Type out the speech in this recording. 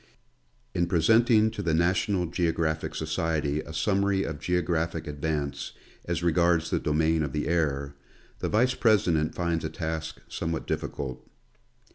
In presenting to the National Geographic Society a summary of geographic advance as regards the domain of the air, the Vice president finds a task somewhat difficult.